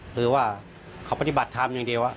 คือว่าเขาปฏิบัติธรรมอย่างเดียว